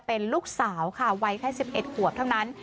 เป็นลูกสาวค่ะวัยแค่๑๑ขวบเท่านั้น